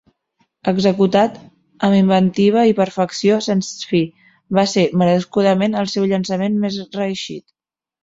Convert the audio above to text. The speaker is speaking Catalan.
Executat amb inventiva i perfecció sens fi, va ser merescudament el seu llançament més reeixit.